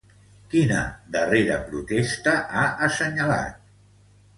Quina darrera protesta ha assenyalat?